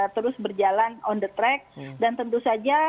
terus berjalan on the track dan tentu saja